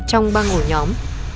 trong ba ổ nhóm